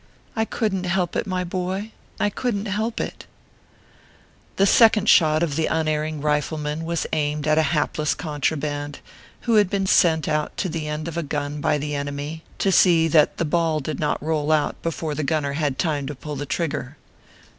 I couldn t help it, my boy I couldn t help it. The second shot of the unerring rifleman was aimed at a hapless contraband, who had been sent ORPHEUS C. KERB PAPERS. 293 out to the end of a gun by the enemy, to see that the ball did not roll out before the gunner had time to pull the trigger.